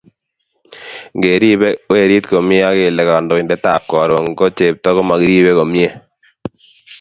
Ngeribei werit komie ak kele kandoindetab Karon ko chepto komokiribei komie